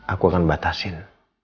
aku akan batasin